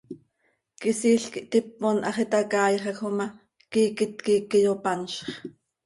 Quisiil quih tipon, hax itacaaixaj oo ma, quiiquet quih íiqui yopanzx.